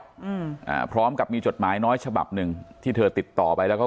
อืมอ่าพร้อมกับมีจดหมายน้อยฉบับหนึ่งที่เธอติดต่อไปแล้วก็